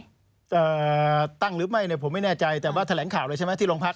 อ่าตั้งหรือไม่เนี่ยผมไม่แน่ใจแต่ว่าแถลงข่าวเลยใช่ไหมที่โรงพัก